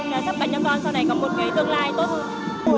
giúp bảnh cho con sau này có một cái tương lai tốt hơn